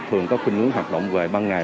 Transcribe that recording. thường có khuyến ngưỡng hoạt động về ban ngày